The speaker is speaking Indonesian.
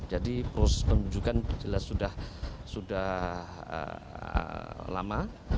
jadi proses penunjukan jelas sudah lama